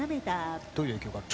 どういう影響がある？